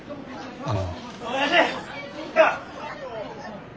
あの。